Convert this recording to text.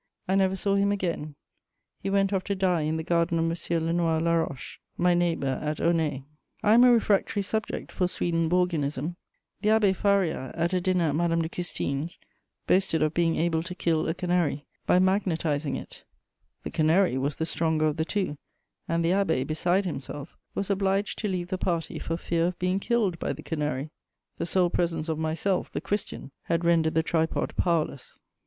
I never saw him again: he went off to die in the garden of M. Lenoir Laroche, my neighbour at Aulnay. [Sidenote: Swedenborgian nonsense.] I am a refractory subject for Swedenborgianism; the Abbé Faria, at a dinner at Madame de Custine's, boasted of being able to kill a canary by magnetizing it; the canary was the stronger of the two, and the abbé, beside himself, was obliged to leave the party for fear of being killed by the canary. The sole presence of myself, the Christian, had rendered the tripod powerless.